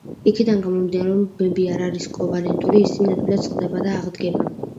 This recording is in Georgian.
იქიდან გამომდინარე, რომ ბმები არ არის კოვალენტური, ისინი ადვილად წყდება და აღდგება.